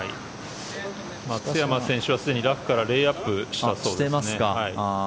松山選手はすでにラフからレイアップしたそうですね。